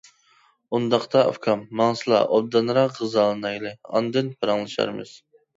-ئۇنداقتا ئۇكام، ماڭسىلا ئوبدانراق غىزالىنايلى، ئاندىن پاراڭلىشارمىز.